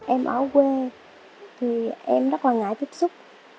em ở quê thì em rất là ngại tiếp xúc